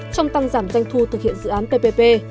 trong tăng giảm doanh thu thực hiện dự án ppp